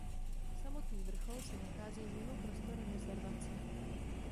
Samotný vrchol se nachází mimo prostor rezervace.